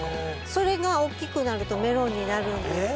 それが大きくなるとメロンになるんですけれども。